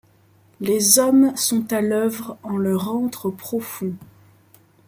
Les hommes sont à l’oeuvre en leur antre profond